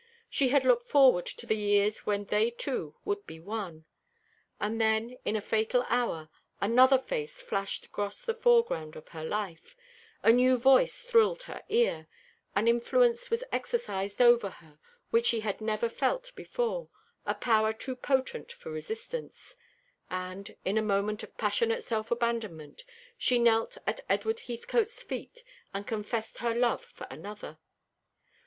She had looked forward to the years when they two would be one. And then, in a fatal hour, another face flashed across the foreground of her life a new voice thrilled her ear an influence was exercised over her which she had never felt before, a power too potent for resistance and, in a moment of passionate self abandonment, she knelt at Edward Heathcote's feet, and confessed her love for another.